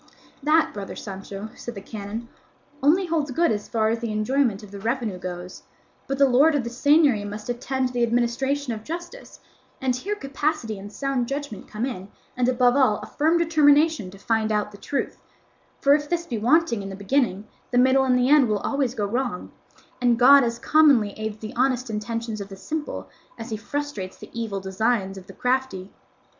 "That, brother Sancho," said the canon, "only holds good as far as the enjoyment of the revenue goes; but the lord of the seigniory must attend to the administration of justice, and here capacity and sound judgment come in, and above all a firm determination to find out the truth; for if this be wanting in the beginning, the middle and the end will always go wrong; and God as commonly aids the honest intentions of the simple as he frustrates the evil designs of the crafty."